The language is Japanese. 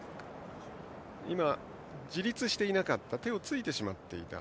今、自立していなかった手をついてしまっていた。